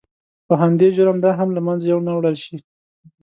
په همدې جرم دا هم له منځه یو نه وړل شي.